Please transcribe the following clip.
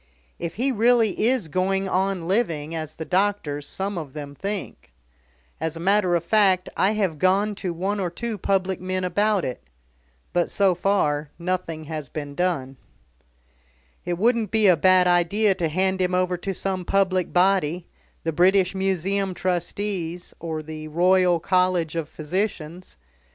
If he really is going on living as the doctors, some of them, think. As a matter of fact, I have gone to one or two public men about it. But, so far, nothing has been done." "It wouldn't be a bad idea to hand him over to some public body the British Museum Trustees, or the Royal College of Physicians.